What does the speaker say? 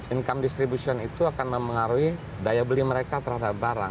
income distribution itu akan mempengaruhi daya beli mereka terhadap barang